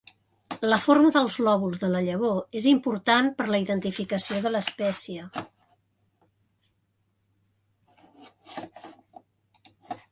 La forma dels lòbuls de la llavor és important per la identificació de l'espècie.